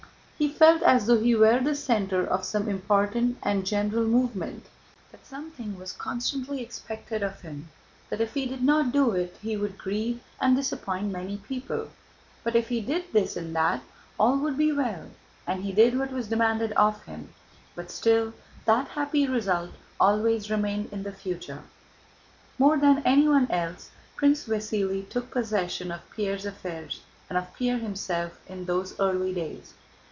He felt as though he were the center of some important and general movement; that something was constantly expected of him, that if he did not do it he would grieve and disappoint many people, but if he did this and that, all would be well; and he did what was demanded of him, but still that happy result always remained in the future. More than anyone else, Prince Vasíli took possession of Pierre's affairs and of Pierre himself in those early days.